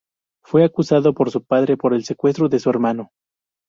Fue acusado por su padre por el secuestro de su hermano.